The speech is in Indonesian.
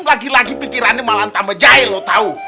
laki laki pikirannya malah tambah jahil lo tau